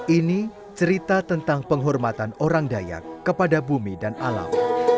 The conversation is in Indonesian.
ini cerita tentang penghormatan orang dayak kepada bumi dan alam